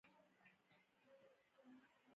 سوالګر د خیر الهام لري